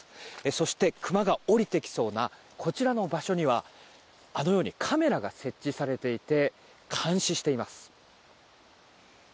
そしてクマが下りてきそうなこちらの場所にはカメラが設置されていて監視しています。